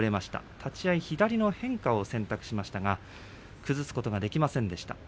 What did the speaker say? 立ち合い左の変化を選択しましたが崩すことができませんでした。